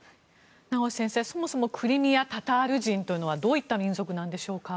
名越先生、そもそもクリミア・タタール人というのはどういった民族なのでしょうか。